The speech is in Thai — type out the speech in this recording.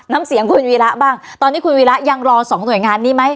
น้ำเสียงคุณวีระบ้างตอนนี้คุณวีระยังรอสองหน่วยงานนี้ไหม